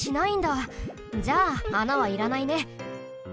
じゃあ穴はいらないね。